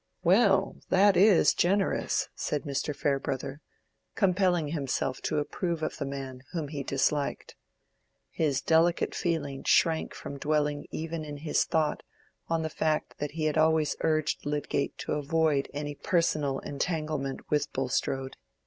"Well, that is generous," said Mr. Farebrother, compelling himself to approve of the man whom he disliked. His delicate feeling shrank from dwelling even in his thought on the fact that he had always urged Lydgate to avoid any personal entanglement with Bulstrode.